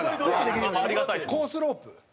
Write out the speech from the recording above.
コースロープ。